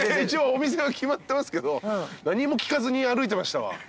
一応お店は決まってますけど何も聞かずに歩いてましたわ。